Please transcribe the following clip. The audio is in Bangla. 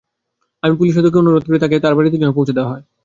আমি পুলিশ সদস্যকে অনুরোধ করি তাঁকে তাঁর বাড়িতে যেন পৌঁছে দেওয়া হয়।